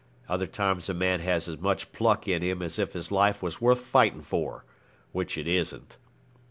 Other times a man has as much pluck in him as if his life was worth fighting for which it isn't.